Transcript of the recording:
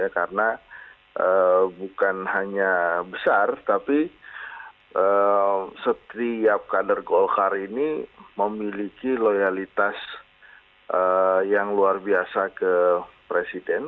karena bukan hanya besar tapi setiap kader golkar ini memiliki loyalitas yang luar biasa ke presiden